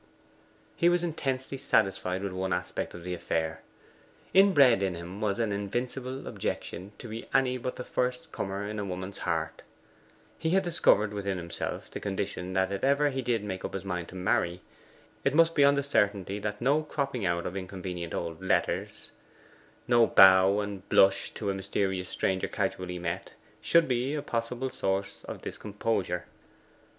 He was intensely satisfied with one aspect of the affair. Inbred in him was an invincible objection to be any but the first comer in a woman's heart. He had discovered within himself the condition that if ever he did make up his mind to marry, it must be on the certainty that no cropping out of inconvenient old letters, no bow and blush to a mysterious stranger casually met, should be a possible source of discomposure.